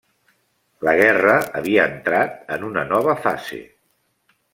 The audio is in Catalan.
La guerra havia entrat en una nova fase.